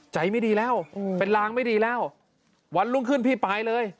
ไม่ดีแล้วเป็นลางไม่ดีแล้ววันรุ่งขึ้นพี่ไปเลย